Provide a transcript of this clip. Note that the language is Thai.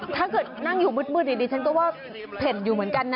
ถ้าเกิดนั่งอยู่มืดดิฉันก็ว่าเผ็ดอยู่เหมือนกันนะ